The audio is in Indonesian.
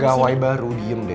pegawai baru diem deh